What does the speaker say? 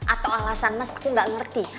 atau alasan mas aku nggak ngerti